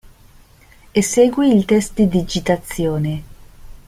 Esegui il test di digitazione.